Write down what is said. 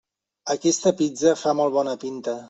Aquesta pizza fa molt bona pinta.